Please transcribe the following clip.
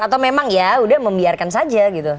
atau memang ya udah membiarkan saja gitu